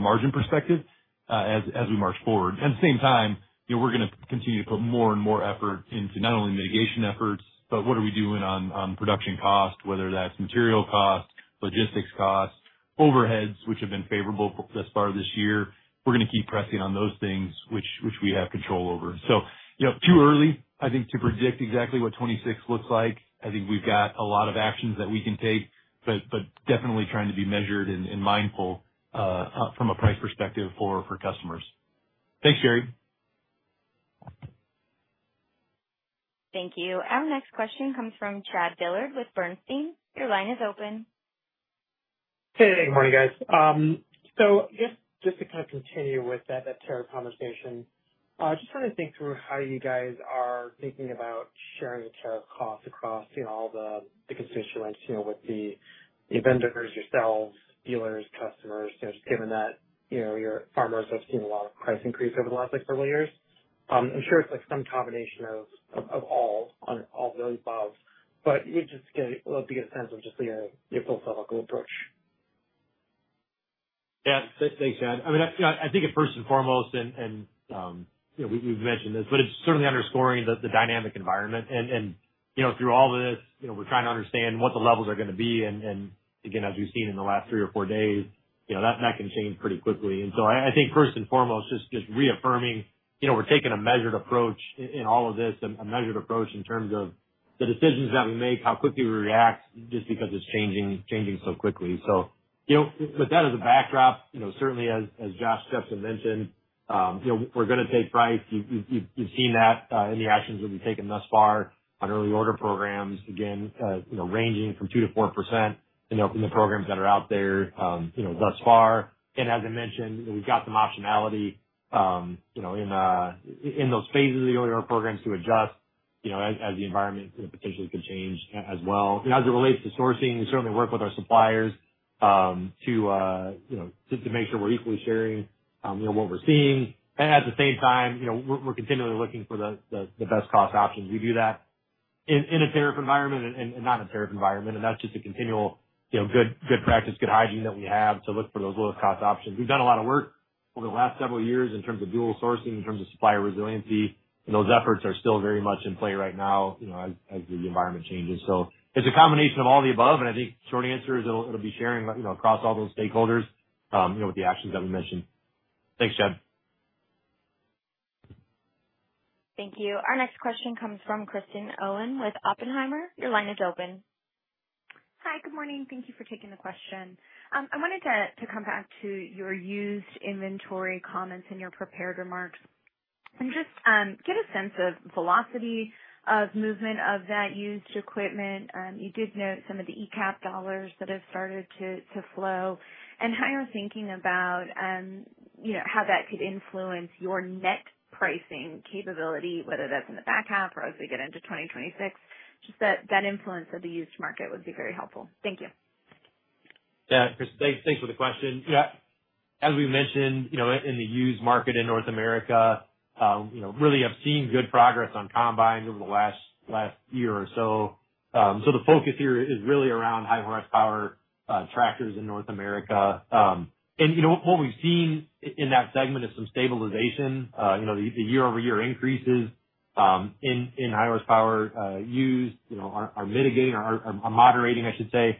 margin perspective as we march forward. At the same time, we're going to continue to put more and more effort into not only mitigation efforts, but what we are doing on production cost, whether that's material cost, logistics cost, overheads, which have been favorable thus far this year. We're going to keep pressing on those things which we have control over. It is too early, I think, to predict exactly what 2026 looks like. I think we've got a lot of actions that we can take, but definitely trying to be measured and mindful from a price perspective for customers. Thanks, Jerry. Thank you. Our next question comes from Chad Dillard with Bernstein. Your line is open. Hey, good morning, guys. Just to kind of continue with that tariff conversation, I just want to think through how you guys are thinking about sharing tariff costs across all the constituents with the vendors, yourselves, dealers, customers, just given that your farmers have seen a lot of price increase over the last several years. I'm sure it's some combination of all, all of the above, but it would just be a sense of just your philosophical approach. Yeah. Thanks, Chad. I mean, I think first and foremost, and we've mentioned this, but it's certainly underscoring the dynamic environment. Through all of this, we're trying to understand what the levels are going to be. Again, as we've seen in the last three or four days, that can change pretty quickly. I think first and foremost, just reaffirming we're taking a measured approach in all of this, a measured approach in terms of the decisions that we make, how quickly we react just because it's changing so quickly. With that as a backdrop, certainly, as Josh Jepsen mentioned, we're going to take price. You've seen that in the actions that we've taken thus far on early order programs, again, ranging from 2-4% in the programs that are out there thus far. As I mentioned, we've got some optionality in those phases of the early order programs to adjust as the environment potentially could change as well. As it relates to sourcing, we certainly work with our suppliers to make sure we're equally sharing what we're seeing. At the same time, we're continually looking for the best cost options. We do that in a tariff environment and not a tariff environment. That's just a continual good practice, good hygiene that we have to look for those lowest cost options. We've done a lot of work over the last several years in terms of dual sourcing, in terms of supplier resiliency. Those efforts are still very much in play right now as the environment changes. It's a combination of all the above. I think short answer is it'll be sharing across all those stakeholders with the actions that we mentioned. Thanks, Chad. Thank you. Our next question comes from Kristen Owen with Oppenheimer. Your line is open. Hi, good morning. Thank you for taking the question. I wanted to come back to your used inventory comments and your prepared remarks and just get a sense of velocity of movement of that used equipment. You did note some of the ECAP dollars that have started to flow and how you're thinking about how that could influence your net pricing capability, whether that's in the back half or as we get into 2026. Just that influence of the used market would be very helpful. Thank you. Yeah. Thanks for the question. As we mentioned, in the used market in North America, really have seen good progress on combines over the last year or so. The focus here is really around high horsepower tractors in North America. What we've seen in that segment is some stabilization. The year-over-year increases in high horsepower used are mitigating or moderating, I should say.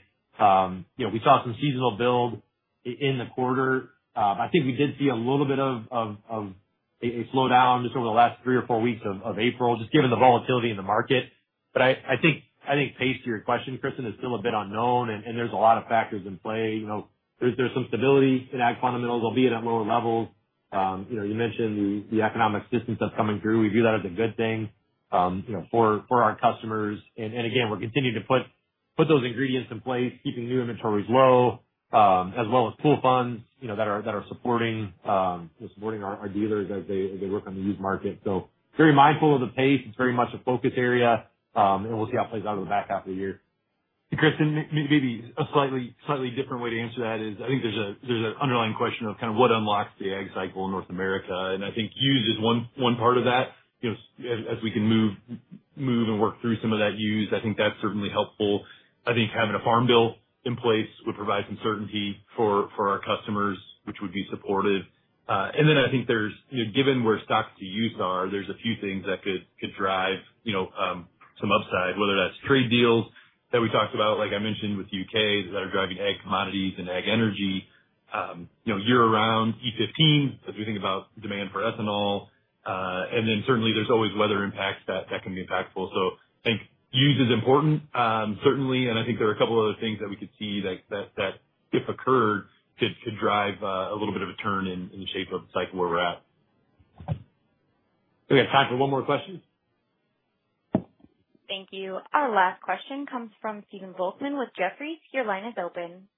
We saw some seasonal build in the quarter. I think we did see a little bit of a slowdown just over the last three or four weeks of April, just given the volatility in the market. I think pace to your question, Kristen, is still a bit unknown, and there's a lot of factors in play. There's some stability in ag fundamentals, albeit at lower levels. You mentioned the economic systems that's coming through. We view that as a good thing for our customers. We are continuing to put those ingredients in place, keeping new inventories low, as well as pool funds that are supporting our dealers as they work on the used market. We are very mindful of the pace. It is very much a focus area, and we will see how it plays out in the back half of the year. Kristen, maybe a slightly different way to answer that is I think there is an underlying question of kind of what unlocks the ag cycle in North America. I think used is one part of that. As we can move and work through some of that used, I think that is certainly helpful. I think having a farm bill in place would provide some certainty for our customers, which would be supportive. I think there is, given where stocks-to-use are, a few things that could drive some upside, whether that is trade deals that we talked about, like I mentioned with the U.K., that are driving ag commodities and ag energy year-round, E15, as we think about demand for ethanol. Certainly, there are always weather impacts that can be impactful. I think used is important, certainly. I think there are a couple of other things that we could see that, if occurred, could drive a little bit of a turn in the shape of the cycle where we are at. We have time for one more question. Thank you. Our last question comes from Stephen Volkmann with Jefferies. Your line is open.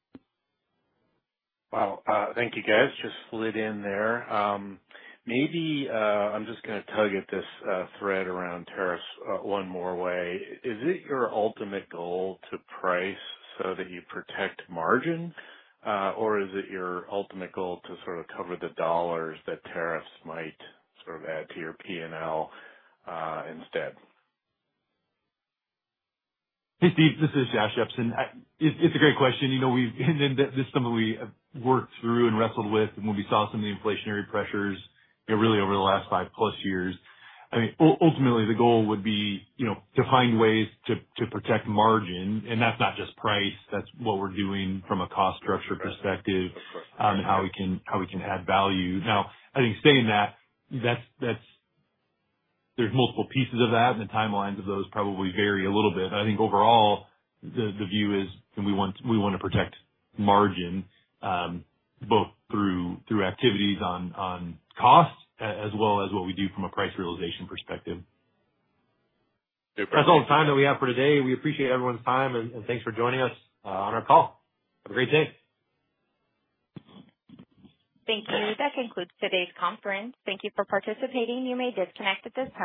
Wow. Thank you, guys. Just slid in there. Maybe I'm just going to tug at this thread around tariffs one more way. Is it your ultimate goal to price so that you protect margin, or is it your ultimate goal to sort of cover the dollars that tariffs might sort of add to your P&L instead? Hey, Steve, this is Josh Jepsen. It's a great question. This is something we worked through and wrestled with when we saw some of the inflationary pressures really over the last five-plus years. I mean, ultimately, the goal would be to find ways to protect margin. That's not just price. That's what we're doing from a cost structure perspective and how we can add value. Now, I think saying that, there's multiple pieces of that, and the timelines of those probably vary a little bit. I think overall, the view is we want to protect margin both through activities on cost as well as what we do from a price realization perspective. That's all the time that we have for today. We appreciate everyone's time, and thanks for joining us on our call. Have a great day. Thank you. That concludes today's conference. Thank you for participating. You may disconnect at this time.